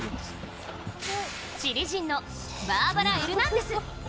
チリ人のバーバラ・エルナンデス。